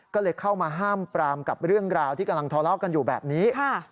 ก็เลยเข้ามาห้ามปรามกับเรื่องราวที่กำลังทะเลาะกันอยู่แบบนี้